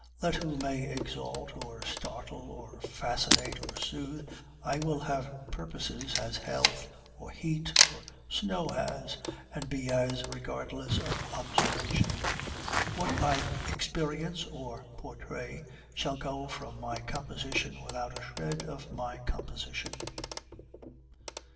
Let who may exalt or startle or fascinate or soothe, I will have purposes as health or heat or snow has, and be as regardless of observation. What I experience or portray shall go from my composition without a shred of my composition.